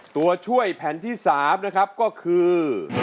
ตัวช่วยแผ่นที่๓นะครับก็คือ